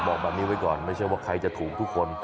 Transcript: บอกแบบนี้ไว้ก่อนไม่ใช่ว่าใครจะถูกทุกคน